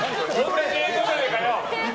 同じ映像じゃねえかよ！